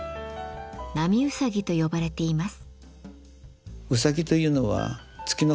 波うさぎと呼ばれています。